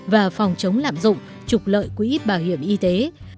và phòng chống lạm dụng trục lợi quỹ bảo hiểm y tế